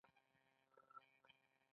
په لومړیو کې د کسبګرو کارونه سپارښتونکي وو.